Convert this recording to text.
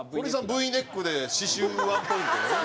Ｖネックで刺繍ワンポイントね。